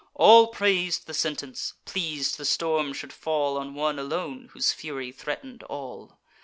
All prais'd the sentence, pleas'd the storm should fall On one alone, whose fury threaten'd all.